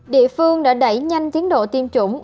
địa phương đã đẩy nhanh tiến độ tiêm chủng